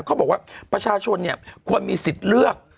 เขาบอกว่าประชาชนเนี่ยควรมีสิทธิ์เลือก